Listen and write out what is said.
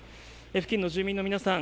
付近の住民の皆さん